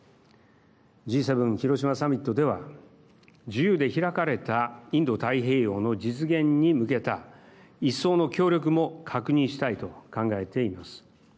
Ｇ７広島サミットでは自由で開かれたインド太平洋の実現に向けた一層の協力も確認したいと考えています。